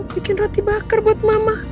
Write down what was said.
bikin roti bakar buat mama